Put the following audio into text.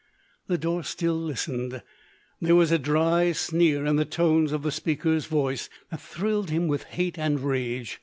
Lodore still listened ; there was a dry sneer in the tones of the speaker's voice, that thrilled him with hate and rage.